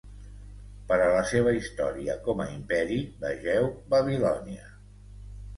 Per a la seva història com a imperi vegeu Babilònia.